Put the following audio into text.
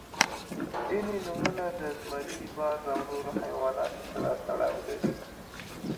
• ځینې نومونه د زمری، باز او نور حیواناتو سره تړاو لري.